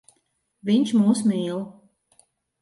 Viņš mūs mīl.